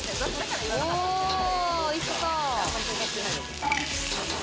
おいしそう！